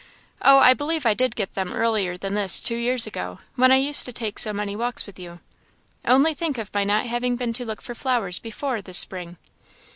Oh, I believe I did get them earlier than this two years ago, when I used to take so many walks with you. Only think of my not having been to look for flowers before, this spring."